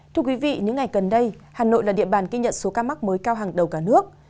thưa quý vị những ngày gần đây hà nội là địa bàn ghi nhận số ca mắc mới cao hàng đầu cả nước